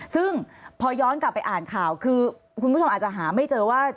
ซึ่งพอย้อนกลับไปอ่านข่าวคือคุณผู้ชมอาจจะหาไม่เจอว่า